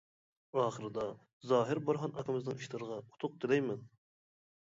ئاخىرىدا زاھىر بورھان ئاكىمىزنىڭ ئىشلىرىغا ئۇتۇق تىلەيمەن!